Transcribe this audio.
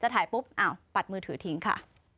ถ่ายปุ๊บอ้าวปัดมือถือทิ้งค่ะ